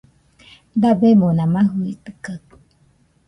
Dabemona maɨjɨitɨkaɨ